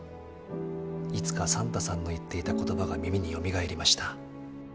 いつかサンタさんの言っていた言葉が耳によみがえりました。